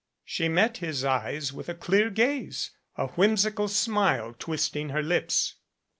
She met his eyes with a clear gaze a whimsical smile twisting her lips.